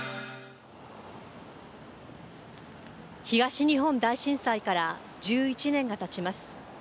東日本大震災から１１年が経ちます。